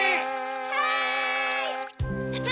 はい！